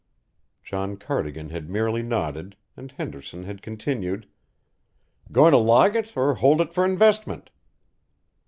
John Cardigan had merely nodded, and Henderson had continued: "Going to log it or hold it for investment?"